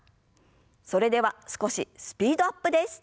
それでは少しスピードアップです。